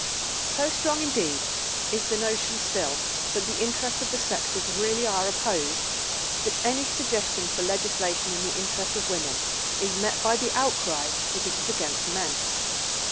So strong indeed is the notion still that the interests of the sexes really are opposed, that any suggestion for legislation in the interests of women is met by the outcry that it is against men.